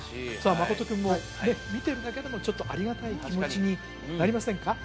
真君もね見てるだけでもちょっとありがたい気持ちになりませんか？